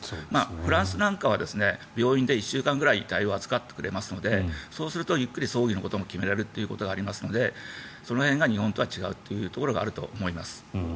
フランスなんかは病院で１週間ぐらい遺体を預かってくれますのでそうするとゆっくり葬儀のことも決められるということがありますのでその辺が日本とは違うところがあると思います。